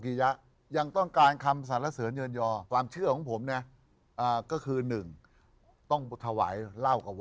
คิกคิกคิกคิกคิกคิกคิกคิกคิกคิกคิกคิกคิกคิกคิกคิก